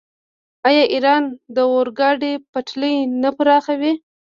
آیا ایران د اورګاډي پټلۍ نه پراخوي؟